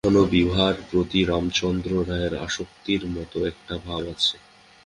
এখনো বিভার প্রতি রামচন্দ্র রায়ের আসক্তির মত একটা ভাব আছে।